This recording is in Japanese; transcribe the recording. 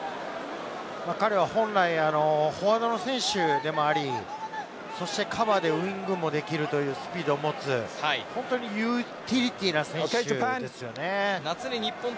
彼は本来、フォワードの選手でもあり、そしてカバーでウイングもできるというスピードを持つ本当にユーティリティーな選手ですよね。